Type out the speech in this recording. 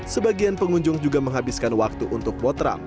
sebagian pengunjung juga menghabiskan waktu untuk potrum